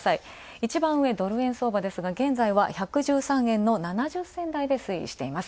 一番上、ドル円相場ですが、現在は１１３円の７０銭台で推移しています。